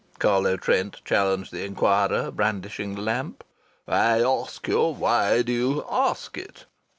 Carlo Trent challenged the inquirer, brandishing the lamp. "I ask you why do you ask it?"